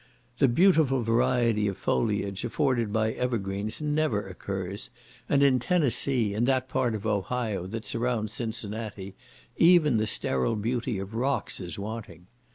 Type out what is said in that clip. The beautiful variety of foliage afforded by evergreens never occurs, and in Tennessee, and that part of Ohio that surrounds Cincinnati, even the sterile beauty of rocks is wanting.